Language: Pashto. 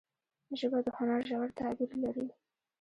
ژبه د هنر ژور تعبیر لري